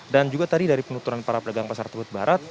dan juga tadi dari penuturan para pedagang pasar tebut barat